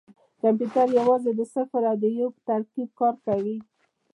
کمپیوټر یوازې د صفر او یو په ترکیب کار کوي.